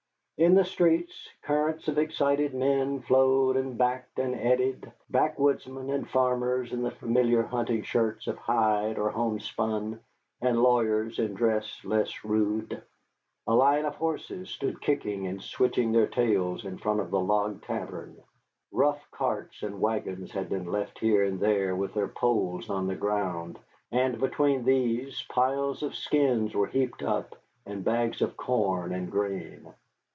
In the streets currents of excited men flowed and backed and eddied, backwoodsmen and farmers in the familiar hunting shirts of hide or homespun, and lawyers in dress less rude. A line of horses stood kicking and switching their tails in front of the log tavern, rough carts and wagons had been left here and there with their poles on the ground, and between these, piles of skins were heaped up and bags of corn and grain.